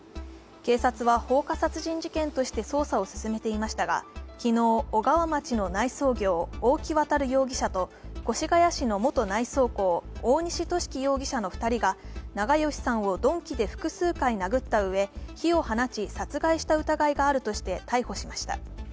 警察は放火殺人事件として捜査を進めていましたが昨日、小川町の内装業大木渉容疑者と越谷市の元内装工大西寿貴容疑者の２人が長葭さんを鈍器で複数回殴ったうえ火を放ち殺害した疑いがあるとして逮捕しました。